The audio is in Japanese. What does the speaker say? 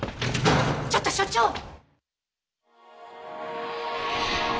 ちょっと所長！